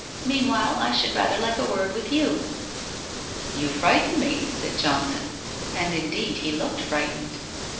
Mean while, I should rather like a word with you !' 1 You frighten me !' said Johnson, and indeed he looked frightened.